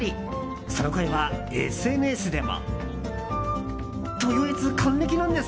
その声は、ＳＮＳでも。